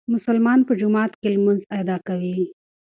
مسلمانان په جومات کې لمونځ ادا کوي.